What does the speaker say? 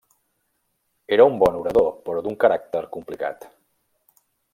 Era un bon orador però d'un caràcter complicat.